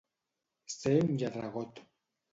Ser un lladregot.